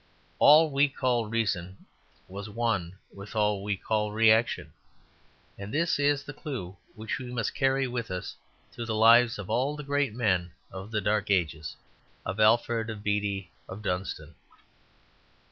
All we call reason was one with all we call reaction. And this is the clue which we must carry with us through the lives of all the great men of the Dark Ages; of Alfred, of Bede, of Dunstan.